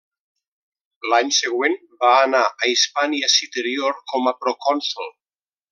L’any següent va anar a Hispània Citerior com a procònsol.